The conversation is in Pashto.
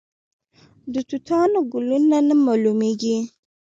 د توتانو ګلونه نه معلومیږي؟